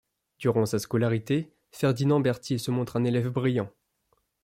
Durant sa scolarité, Ferdinand Berthier se montre un élève brillant.